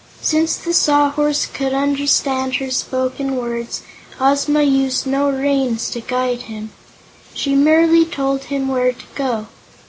Since the Sawhorse could understand her spoken words, Ozma used no reins to guide him. She merely told him where to go.